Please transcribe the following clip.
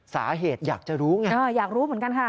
สาเหตุอยากจะรู้ไงอยากรู้เหมือนกันค่ะ